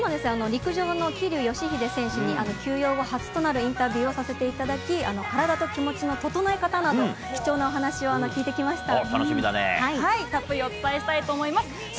陸上の桐生祥秀選手に、休養後初となるインタビューをさせていただき、体と気持ちの整え方など、貴重なお話を聞いてきました。